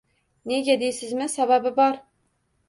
Nega deysizmi? Sababi bor.